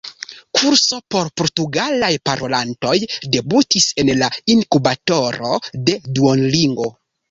kurso por portugalaj parolantoj debutis en la inkubatoro de Duolingo